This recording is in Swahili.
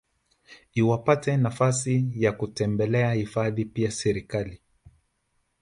iliwapate nafasi ya kutembelea hifadhi Pia Serekali